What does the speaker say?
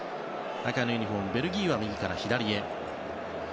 赤のユニホーム、ベルギーは右から左へ。